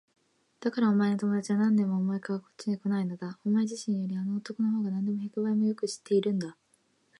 だからお前の友だちは何年も前からこっちへこないのだ。お前自身よりあの男のほうがなんでも百倍もよく知っているんだ。